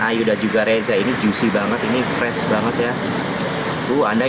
ayu dan juga reza ini juicy banget ini fresh banget ya